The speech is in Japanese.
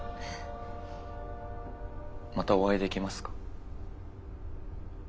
またお会いできますか？